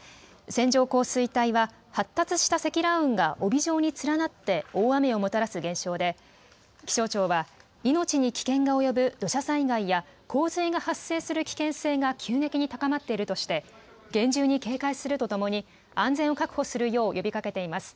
線状降水帯は発達した積乱雲が帯状に面なって大雨をもたらす現象で気象庁は命に危険が及ぶ土砂災害や洪水が発生する危険性が急激に高まっているとして厳重に警戒するとともに安全を確保するよう呼びかけています。